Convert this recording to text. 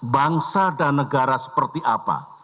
bangsa dan negara seperti apa